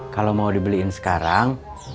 kalau mau dibeliin sekarang